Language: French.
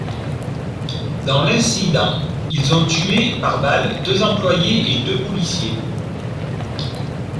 Dans l'incident, ils ont tué par balles deux employés et deux policiers.